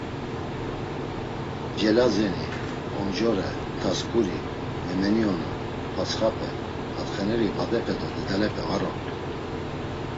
Celazeni, Omcore, Tasǩuri, Memeniona, patsxape, atxeneri badepe do dilapete var ort̆u.